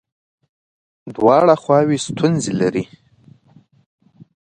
دواړه خواوې ستونزې لري.